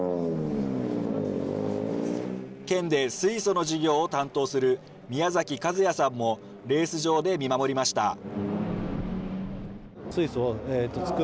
県で水素の事業を担当する宮崎和也さんも、レース場で見守りました。